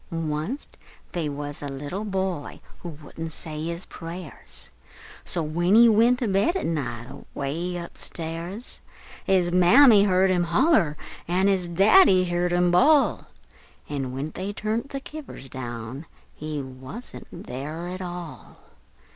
Wunst they wuz a little boy wouldn't say his prayers, An' when he went to bed at night, away up stairs, His Mammy heerd him holler, an' his Daddy heerd him bawl, An' when they turn't the kivvers down, he wuzn't there at all!